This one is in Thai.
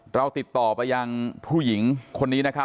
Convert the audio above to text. เราติดต่อไปยังผู้หญิงคนนี้